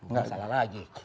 nggak salah lagi